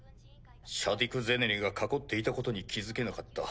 シャディク・ゼネリが囲っていたことに気付けなかった。